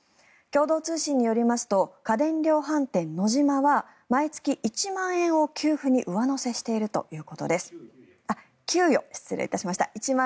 共同通信によりますと家電量販店ノジマは毎月１万円を給与に上乗せしているということです。